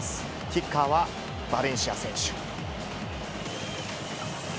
キッカーはバレンシア選手。